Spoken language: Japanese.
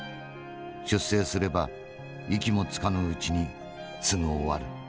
出征すれば息もつかぬうちにすぐ終わる。